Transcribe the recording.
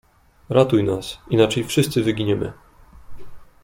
"Ratuj nas, inaczej wszyscy wyginiemy!"